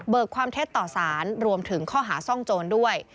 ความเท็จต่อสารรวมถึงข้อหาซ่องโจรด้วย